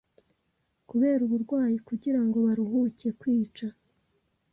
kubera uburwayi, kugira ngo baruhuke kwica.